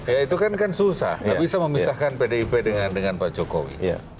ya itu kan kan susah nggak bisa memisahkan pdip dengan pak jokowi